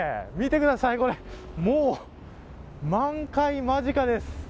見てください、これもう満開間近です。